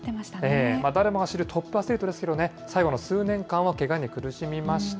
誰もが知るトップアスリートですけどね、最後の数年間はけがに苦しみました。